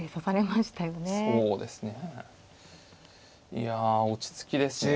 いや落ち着きですよね。